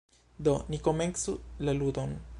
Do, ni komencu la ludon.